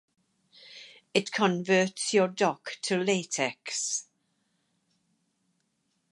It converts your doc to latex